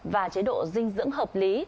và chế độ dinh dưỡng hợp lý